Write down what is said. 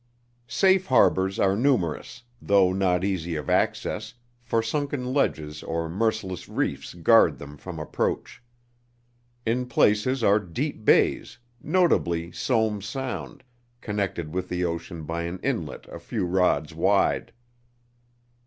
Safe harbors are numerous, though not easy of access, for sunken ledges or merciless reefs guard them from approach. In places are deep bays, notably Somes Sound, connected with the ocean by an inlet a few rods wide.